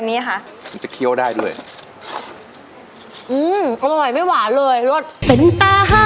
มันจะเหนียวยืดแบบนี้ค่ะ